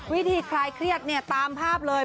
คลายเครียดเนี่ยตามภาพเลย